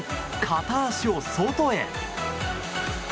片足を外へ。